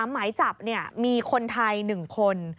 ๓ไหมจับมีคนไทย๑คน